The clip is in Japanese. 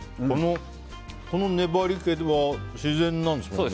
この粘り気は自然なんですよね。